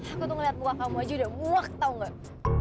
aku tuh ngelihat muka kamu aja udah muak tahu nggak